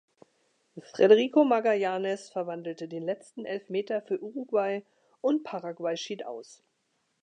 Federico Magallanes verwandelte den letzten Elfmeter für Uruguay und Paraguay schied aus.